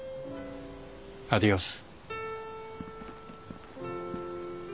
アディオス。